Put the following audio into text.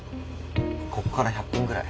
ここから１００分ぐらい。